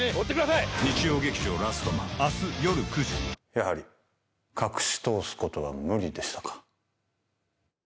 やはり、隠し通すことは無理でしたか。